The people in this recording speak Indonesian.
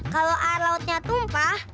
kalo air lautnya tumpah